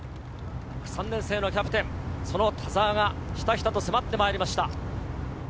３年生のキャプテン、その田澤が、ひたひたと迫ってまいりました。